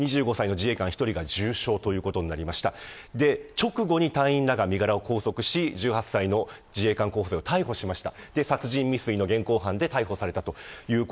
直後に隊員らが身柄を拘束し１８歳の自衛官候補生を逮捕しました。